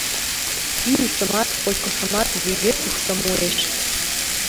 Йӱышымат-кочкышымат вӱге тушто муэш.